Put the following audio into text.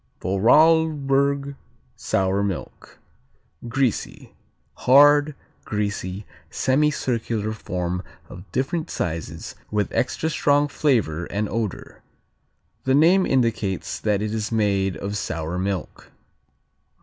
Vorarlberg Sour milk Greasy Hard; greasy; semicircular form of different sizes, with extra strong flavor and odor. The name indicates that it is made of sour milk.